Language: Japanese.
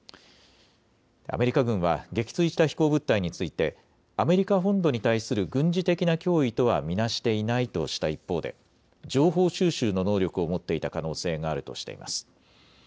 アメリカ軍は撃墜した飛行物体についてアメリカ本土に対する軍事的な脅威とは見なしていないとした一方で情報収集の能力を持っていた可能性があるとしています。